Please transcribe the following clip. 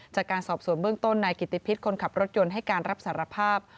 จากการสอบสวนเบื้องต้นนายกิติพิษคนขับรถยนต์ให้การรับสารภาพ